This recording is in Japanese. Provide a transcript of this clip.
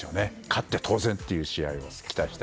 勝って当然という試合を。